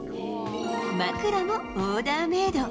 枕もオーダーメード。